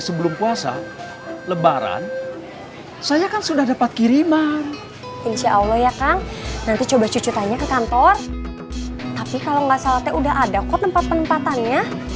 sampai jumpa di video selanjutnya